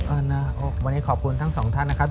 นะวันนี้ขอบคุณทั้งสองท่านนะครับ